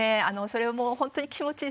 それはもうほんとに気持ち